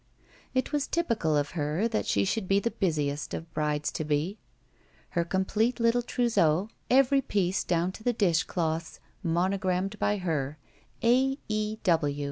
It was typical of her that she should be the busiest of brides to be, her complete little trousseau, 209 GUILTY every piece down to the dishdoths, monogrammed by her— A. E.